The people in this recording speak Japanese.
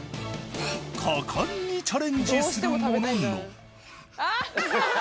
果敢にチャレンジするものの。